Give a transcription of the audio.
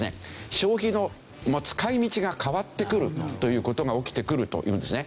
消費の使い道が変わってくるという事が起きてくるというんですね。